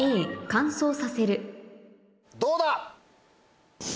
どうだ？